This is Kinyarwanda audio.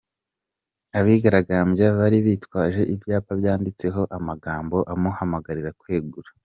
Abigaragambya bari bitwaje ibyapa byanditseho amagambo amuhamagarira kwegura.